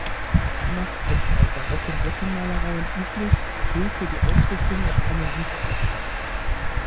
Anders als bei barocken Deckenmalereien üblich, fehlt hier die Ausrichtung auf eine Sichtachse.